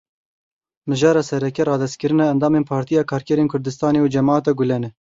Mijara sereke radestkirina endamên Partiya Karkerên Kurdistanê û Cemaeta Gulen e.